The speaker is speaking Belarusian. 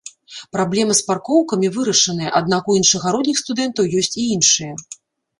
Праблема з паркоўкамі вырашаная, аднак у іншагародніх студэнтаў ёсць і іншыя.